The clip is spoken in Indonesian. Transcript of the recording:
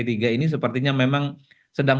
tiga ini sepertinya memang sedang